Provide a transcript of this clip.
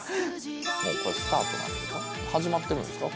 もうこれスタートなんですか？